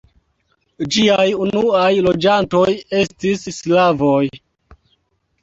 Ĝiaj unuaj loĝantoj estis slavoj.